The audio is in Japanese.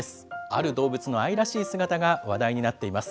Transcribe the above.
ある動物の愛らしい姿が話題になっています。